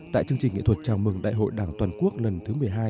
tại chương trình nghệ thuật chào mừng đại hội đảng toàn quốc lần thứ một mươi hai